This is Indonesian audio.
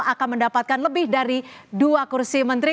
akan mendapatkan lebih dari dua kursi menteri